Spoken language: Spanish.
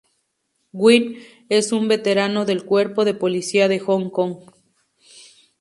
Wing es un veterano del Cuerpo de Policía de Hong Kong.